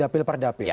dapil per dapil